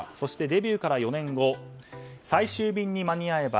デビューから４年後「最終便に間に合えば」